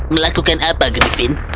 melakukan apa griffin